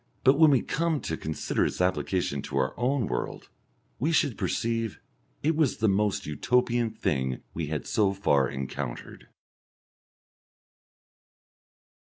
But when we come to consider its application to our own world we should perceive it was the most Utopian thing we had so far encountered.